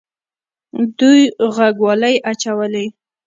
دوی غوږوالۍ اچولې